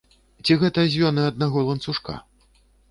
Ці гэта звёны аднаго ланцужка?